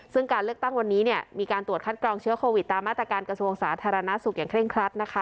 ซึ่งการเลือกตั้งวันนี้มีการตรวจคัดกรองเชื้อโควิดตามมาตรการกระทรวงสาธารณสุขอย่างเร่งครัดนะคะ